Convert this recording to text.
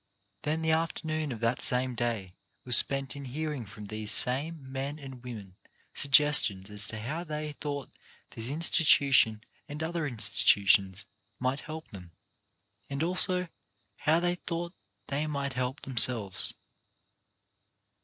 Then the afternoon of that same day was spent in hearing from these same men and women suggestions as to how they thought this institution and other institutions might help them, and also how they thought they might help themselves.